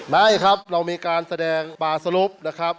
ได้ครับเรามีการแสดงปลาสลบนะครับ